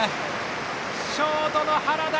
ショートの原田！